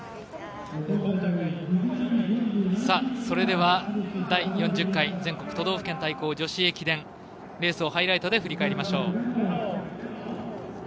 それでは第４０回都道府県対抗全国女子駅伝レースをハイライトで振り返りましょう。